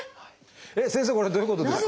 先生これどういうことですか？